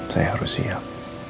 saya harus siap